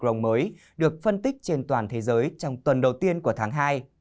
và được phân tích trên toàn thế giới trong tuần đầu tiên của tháng hai